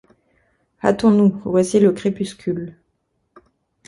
Hâtons-nous, voici le crépuscule.